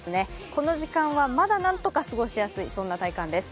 この時間はまだ何とか過ごしやすい、そんな体感です。